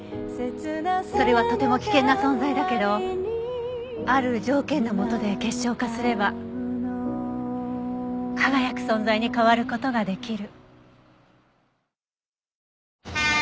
それはとても危険な存在だけどある条件のもとで結晶化すれば輝く存在に変わる事ができる。